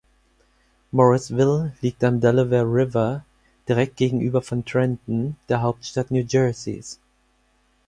Morrisville liegt am Delaware River direkt gegenüber von Trenton, der Hauptstadt New Jerseys.